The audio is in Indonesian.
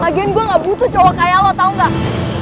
lagian gue gak butuh cowok kayak lo tau gak